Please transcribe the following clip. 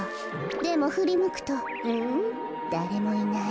でもふりむくとだれもいない。